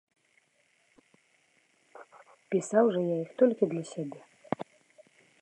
Пісаў жа я іх толькі для сябе.